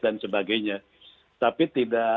dan sebagainya tapi tidak